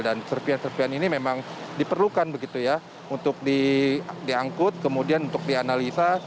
dan serpian serpian ini memang diperlukan begitu ya untuk diangkut kemudian untuk dianalisa